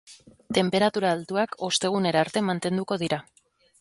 Tenperatura altuak ostegunera arte mantenduko dira.